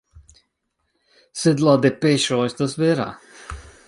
Sed la depeŝo estas vera.